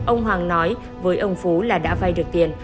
ông hoàng nói với ông phú là đã vay được tiền